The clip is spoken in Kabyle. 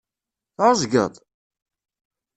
Tɛeẓged?